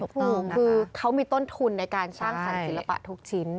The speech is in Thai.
ถูกคือเขามีต้นทุนในการสร้างสรรค์ศิลปะทุกชิ้น